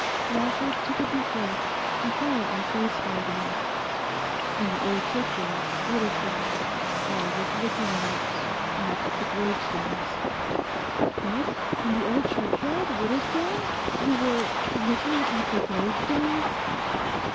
Lawford took a deep breath, and quietly faced her again. 'In the old churchyard, Widderstone; I was looking at—at the gravestones.' 'A fit; in the old churchyard, Widderstone—you were "looking at the gravestones"?